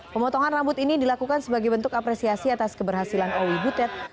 pemotongan rambut ini dilakukan sebagai bentuk apresiasi atas keberhasilan owi butet